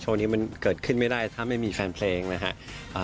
ช่วงนี้มันเกิดขึ้นไม่ได้ถ้าไม่มีแฟนเพลงนะครับ